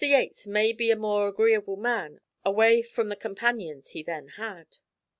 Yates may be a more agreeable man away from the companions he then had."